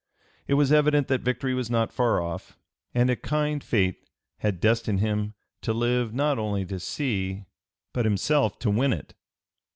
It was evident that victory was not far off, and a kind fate (p. 306) had destined him to live not only to see but himself to win it.